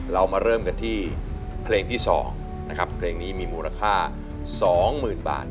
เรามาเริ่มกันที่เพลงที่๒นะครับเพลงนี้มีมูลค่า๒๐๐๐บาท